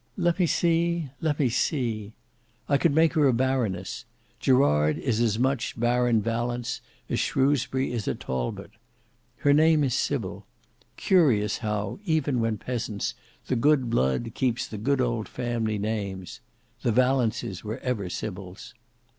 "Let me see—let me see. I could make her a baroness. Gerard is as much Baron Valence as Shrewsbury is a Talbot. Her name is Sybil. Curious how, even when peasants, the good blood keeps the good old family names! The Valences were ever Sybils.